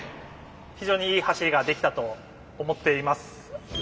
非常にいい走りができたと思っています。